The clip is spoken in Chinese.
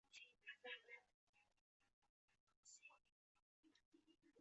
最终煤气管道被炸造成现场大规模爆炸和大规模地陷。